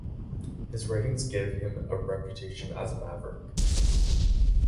His writings gave him a reputation as a maverick.